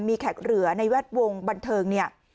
มีแขกเหลือในแวดวงบันเทิงเนี่ย